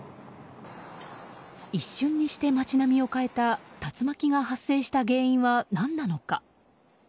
一瞬にして街並みを変えた竜巻が発生した原因は何なのか。